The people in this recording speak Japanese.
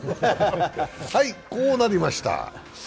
はい、こうなりました。